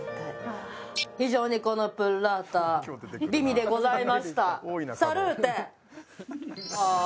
非常にこのブッラータ美味でございましたああ